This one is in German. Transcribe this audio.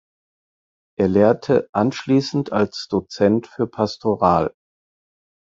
Er lehrte anschließend als Dozent für Pastoral.